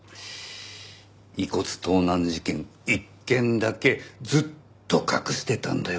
遺骨盗難事件１件だけずっと隠してたんだよ